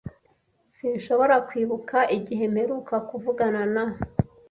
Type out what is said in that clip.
Sinshobora kwibuka igihe mperuka kuvugana na .